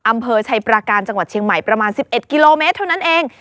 อำเภอชัยประการจังหวัดเชียงใหม่ประมาณ๑๑กิโลเมตรเท่านั้นเอง